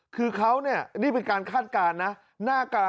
คือเขาเนี่ยนี่เป็นการคาดการณ์นะ